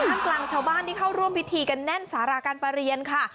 กลางชาวบ้านที่เข้าร่วมพิธีกันแน่นสาราการประเรียนค่ะ